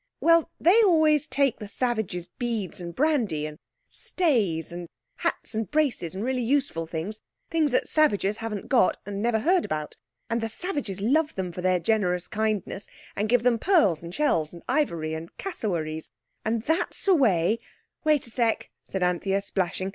"Well, they always take the savages beads and brandy, and stays, and hats, and braces, and really useful things—things the savages haven't got, and never heard about. And the savages love them for their kind generousness, and give them pearls, and shells, and ivory, and cassowaries. And that's the way—" "Wait a sec," said Anthea, splashing.